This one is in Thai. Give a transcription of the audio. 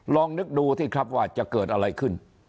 ลองนึกดูสิครับว่าจะเกิดอะไรขึ้น